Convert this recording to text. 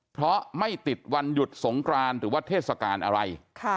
เพราะไม่ติดวันหยุดสงกรานหรือว่าเทศกาลอะไร